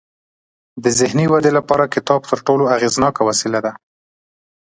د ذهني ودې لپاره کتاب تر ټولو اغیزناک وسیله ده.